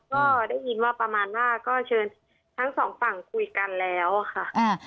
ก็ได้ยินว่าประมาณว่าก็เชิญทั้งสองฝั่งคุยกันแล้วค่ะ